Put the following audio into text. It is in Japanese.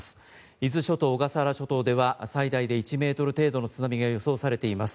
伊豆諸島小笠原諸島では最大で１ｍ程度の津波が予想されています。